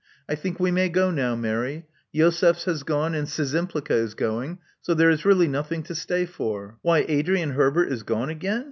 I think we may go now, Mary. Josefs has gone ; and Szczympliga is going, so there is really nothing to stay for. Why Adrian Herbert is gone again